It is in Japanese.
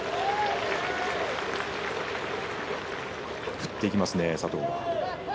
振っていきますね、佐藤。